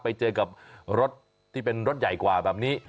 ไปเจอกับรถที่เป็นรถใหญ่กว่าแบบนี้